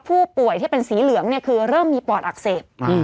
ผู้ป่วยที่เป็นสีเหลืองเนี่ยคือเริ่มมีปอดอักเสบ